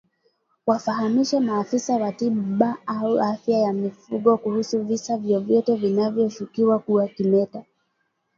Wafahamishe maafisa wa tiba au afya ya mifugo kuhusu visa vyovyote vinavyoshukiwa kuwa kimeta